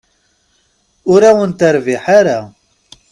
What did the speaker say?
Ur awen-terbiḥ ara.